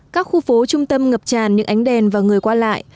các khu phố trung tâm ngập tràn những ánh đèn và người qua lại